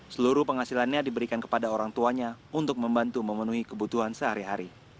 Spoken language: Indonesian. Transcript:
seluruh penghasilannya diberikan kepada orang tuanya untuk membantu memenuhi kebutuhan sehari hari